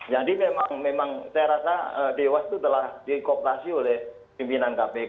jadi memang memang saya rasa dewas itu telah dikooptasi oleh pimpinan